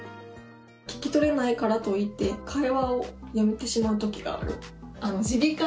聞き取れないからといって、会話をやめてしまうときがある。